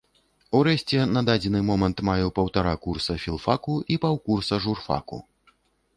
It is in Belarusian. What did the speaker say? Урэшце на дадзены момант маю паўтара курса філфаку і паўкурса журфаку.